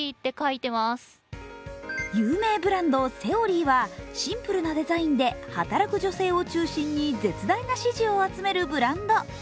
有名ブランド・Ｔｈｅｏｒｙはシンプルなデザインで働く女性を中心に絶大な支持を集めるブランド。